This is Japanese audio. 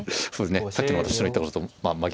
さっきの私の言ったことと真逆。